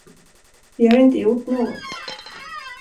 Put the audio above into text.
Vi har inte gjort något.